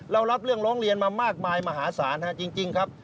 รับเรื่องร้องเรียนมามากมายมหาศาลจริงครับ